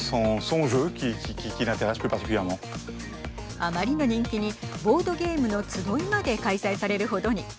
あまりの人気にボードゲームの集いまで開催される程に。